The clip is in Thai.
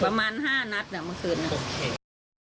ประมาณ๕นัทเมื่อคืนนี้